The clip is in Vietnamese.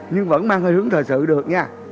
nhưng vẫn mang hơi hướng thời sự được nha